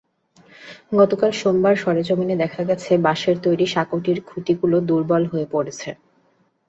গতকাল সোমবার সরেজমিনে দেখা গেছে, বাঁশের তৈরি সাঁকোটির খুঁটিগুলো দুর্বল হয়ে পড়েছে।